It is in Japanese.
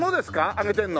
あげてるの。